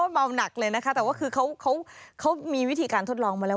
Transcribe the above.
เมาหนักเลยนะคะแต่ว่าคือเขามีวิธีการทดลองมาแล้ว